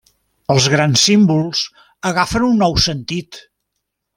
Els grans símbols agafen un nou sentit.